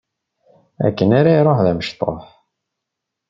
Akken ara iruḥ d amecṭuḥ.